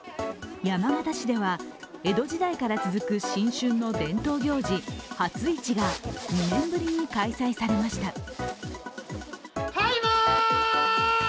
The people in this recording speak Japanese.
山形市では、江戸時代から続く新春の伝統行事、初市が２年ぶりに開催されました。